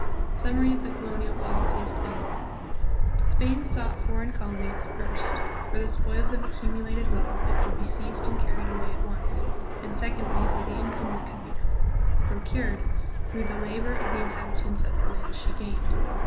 Summary of the Colonial Policy of Spain. Spain sought foreign colonies, first, for the spoils of accumulated wealth that could be seized and carried away at once, and, secondly, for the income that could be procured through the labor of the inhabitants of the lands she gained.